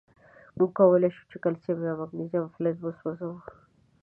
مونږ کولای شو چې کلسیم یا مګنیزیم فلز وسوځوو.